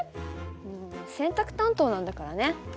もう洗濯担当なんだからね。